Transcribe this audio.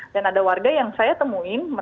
dan ada warga yang saya temuin